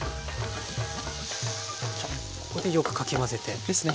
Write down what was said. ここでよくかき混ぜて。ですね。